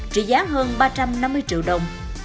trị giá hơn ba trăm năm mươi triệu đồng